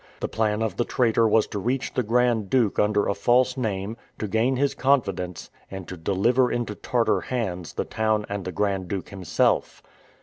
The plan of the traitor was to reach the Grand Duke under a false name, to gain his confidence, and to deliver into Tartar hands the town and the Grand Duke himself.